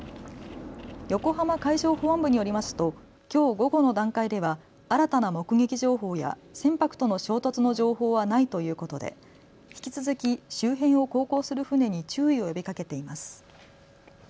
横浜海上保安部によりますときょう午後の段階では新たな目撃情報や船舶との衝突の情報はないということで引き続き周辺を航行する船に注意を呼びかけています。